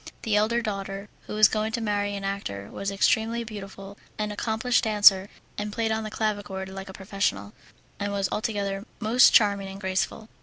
The elder daughter, who was going to marry an actor, was extremely beautiful, an accomplished dancer, and played on the clavichord like a professional, and was altogether most charming and graceful.